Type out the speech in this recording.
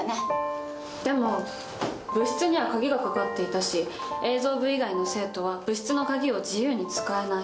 でも部室には鍵がかかっていたし映像部以外の生徒は部室の鍵を自由に使えない。